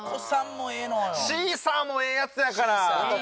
シーサーもええヤツやから。